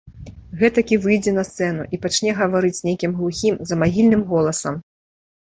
Гэтак і выйдзе на сцэну і пачне гаварыць нейкім глухім, замагільным голасам.